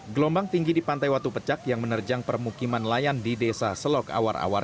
gelombang tinggi di pantai watu pecak yang menerjang permukiman layan di desa selok awar awar